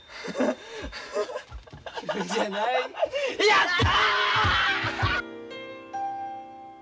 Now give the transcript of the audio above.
やった！